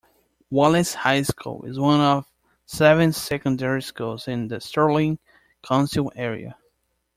Wallace High School is one of seven secondary schools in the Stirling Council area.